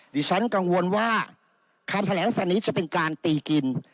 ดิฉันกังวลว่าคำแถลงสันนี้จะเป็นการตีกิน